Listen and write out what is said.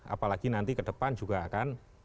apalagi nanti ke depan juga akan